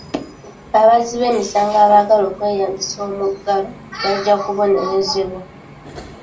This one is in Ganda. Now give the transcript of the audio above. Abazzi b'emisango abaagala okweyambisa omuggalo bajja kubonerezebwa.